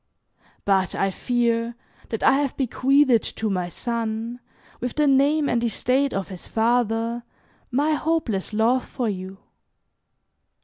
But I fear that I have bequeathed to my son, with the name and estate of his father, my hopeless love for you.